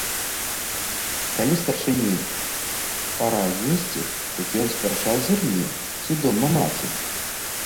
Калі старшыні пара есці, дык ён спярша зірне, ці дома маці.